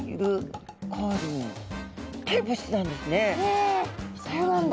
えっそうなんだ。